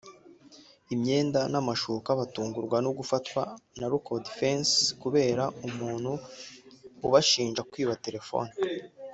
imyenda n’amashuka batungurwa no gufatwa n’aba-local defense kubera umuntu ubashinja kwiba terefone